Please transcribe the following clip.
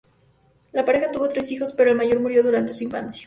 La pareja tuvo tres hijos, pero el mayor murió durante su infancia.